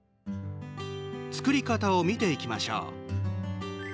作り方を見ていきましょう。